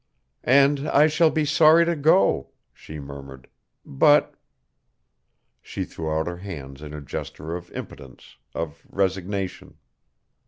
"And I shall be sorry to go," she murmured, "but " She threw out her hands in a gesture of impotence, of resignation.